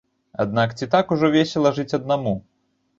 Аднак ці так ўжо весела жыць аднаму?